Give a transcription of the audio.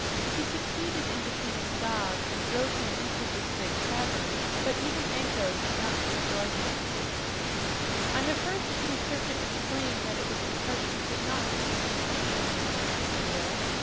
He succeeded in defeating Zog and drove him into this great cavern, but even Anko could not destroy him." "I have heard the sea serpent explain that it was because he could not reach the magician," returned Clia.